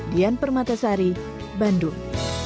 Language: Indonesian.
dian permatasari bandung